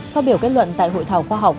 phát biểu kết luận tại hội thảo khoa học